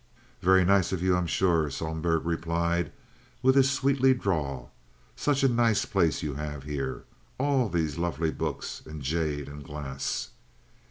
"Very nize ov you, I'm sure," Sohlberg replied, with his sweety drawl. "Such a nize plaze you have here—all these loafly books, and jade, and glass."